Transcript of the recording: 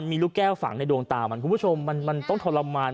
มีลูกแก้วฝังในดวงตามันคุณผู้ชมมันต้องทรมาน